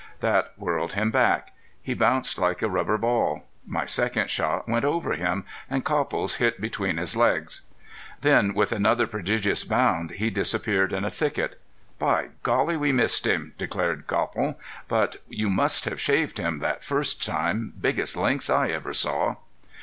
That whirled him back. He bounced like a rubber ball. My second shot went over him, and Copple's hit between his legs. Then with another prodigious bound he disappeared in a thicket. "By golly! we missed him," declared Copple. "But you must have shaved him that first time. Biggest lynx I ever saw."